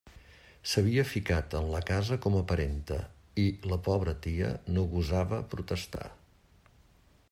S'havia ficat en la casa com a parenta, i la pobra tia no gosava protestar.